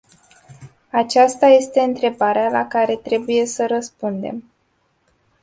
Aceasta este întrebarea la care trebuie să răspundem.